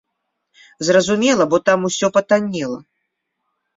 Зразумела, бо там усё патаннела.